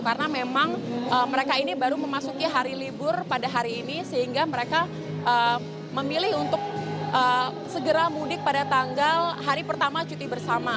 karena memang mereka ini baru memasuki hari libur pada hari ini sehingga mereka memilih untuk segera mudik pada tanggal hari pertama cuti bersama